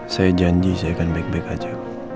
saya janji saya akan baik baik aja